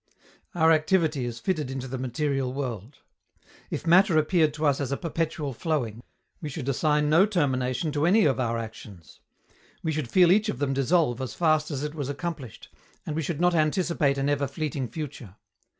Our activity is fitted into the material world. If matter appeared to us as a perpetual flowing, we should assign no termination to any of our actions. We should feel each of them dissolve as fast as it was accomplished, and we should not anticipate an ever fleeting future.